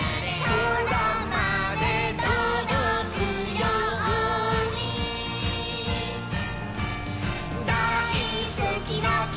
「そらまでとどくように」「だいすきの木」